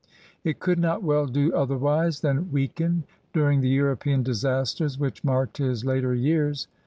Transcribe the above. It could not well do otherwise than weaken during the European disasters which marked his later years.